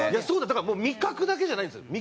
だからもう味覚だけじゃないんですよ。